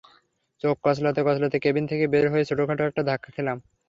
চোখ কচলাতে কচলাতে কেবিন থেকে বের হয়েই ছোটখাটো একটা ধাক্কা খেলাম।